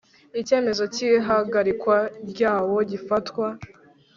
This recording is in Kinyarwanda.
icyemezo cy'ihagarikwa ryawo gifatwa